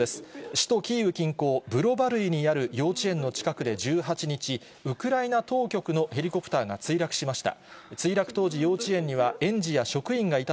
首都キーウ近郊ブロバルイにある幼稚園の近くで１８日、ウクライナ当局のヘリコプターが墜落しました。